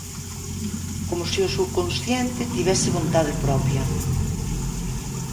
Como se o subconsciente tivese vontade propia.